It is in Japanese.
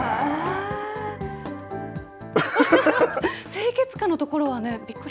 清潔感のところはねびっくり。